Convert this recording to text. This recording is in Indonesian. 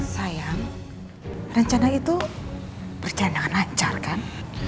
sayang rencana itu perjalanan lancar kan